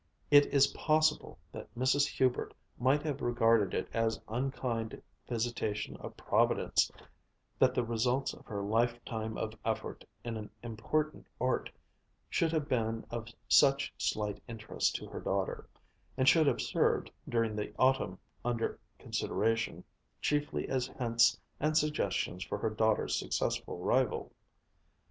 It is possible that Mrs. Hubert might have regarded it as an unkind visitation of Providence that the results of her lifetime of effort in an important art should have been of such slight interest to her daughter, and should have served, during the autumn under consideration, chiefly as hints and suggestions for her daughter's successful rival.